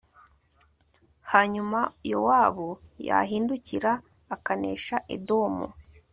hanyuma yowabu yahindukira akanesha edomu